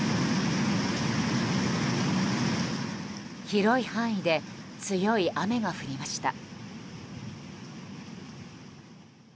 広い範囲で強い雨が降りました。